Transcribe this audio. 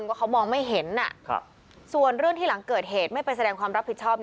ว่าเขามองไม่เห็นส่วนเรื่องที่หลังเกิดเหตุไม่ไปแสดงความรับผิดชอบ